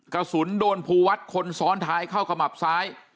กระสุนโดนภูวัฒน์คนซ้อนท้ายเข้าขมับซ้าย